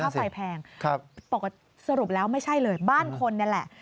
จำเป็นค่าไฟแพงสรุปแล้วไม่ใช่เลยบ้านคนนี่แหละ